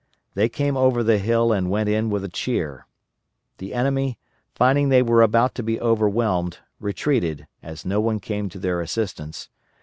They came over the hill and went in with a cheer. The enemy, finding they were about to be overwhelmed, retreated, as no one came to their assistance.